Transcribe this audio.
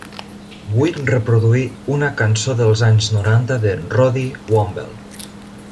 Vull reproduir una cançó dels anys noranta de Roddy Woomble